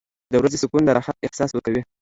• د ورځې سکون د راحت احساس ورکوي.